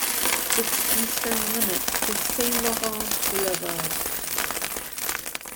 Its eastern limit is Saint Laurent Boulevard.